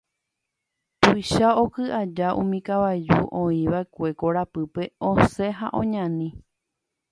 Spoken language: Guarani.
Tuicha oky aja umi kavaju oĩva'ekue korapýpe osẽ ha oñani.